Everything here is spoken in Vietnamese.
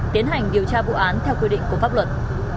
tiến hành điều tra vụ án theo quy định của pháp luật